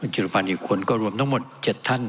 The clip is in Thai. จุรพันธ์อีกคนก็รวมทั้งหมด๗ท่าน